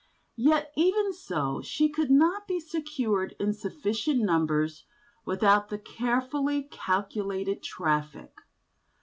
Yet even so, she could not be secured in sufficient numbers without the carefully calculated traffic.